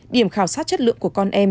điểm khảo sát chất lượng của con em